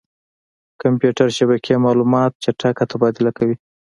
کمپیوټر شبکې معلومات چټک تبادله کوي.